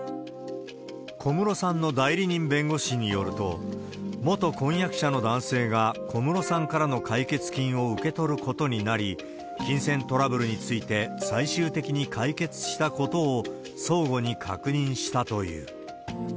小室さんの代理人弁護士によると、元婚約者の男性が小室さんからの解決金を受け取ることになり、金銭トラブルについて最終的に解決したことを相互に確認したという。